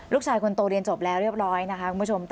ลูกชายคนโตเรียนจบแล้วเรียบร้อยนะคะคุณผู้ชม